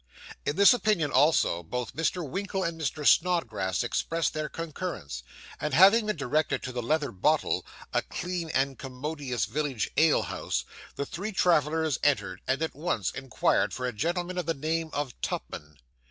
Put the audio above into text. In this opinion also, both Mr. Winkle and Mr. Snodgrass expressed their concurrence; and having been directed to the Leather Bottle, a clean and commodious village ale house, the three travellers entered, and at once inquired for a gentleman of the name of Tupman.